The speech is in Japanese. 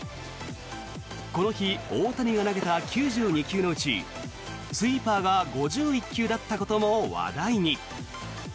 この日大谷が投げた９２球のうちスイーパーが５１球だったことも話題に。